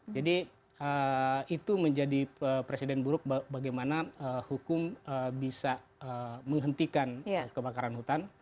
jadi itu menjadi presiden buruk bagaimana hukum bisa menghentikan kebakaran hutan